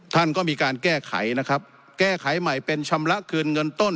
ท่านก็มีการแก้ไขนะครับแก้ไขใหม่เป็นชำระคืนเงินต้น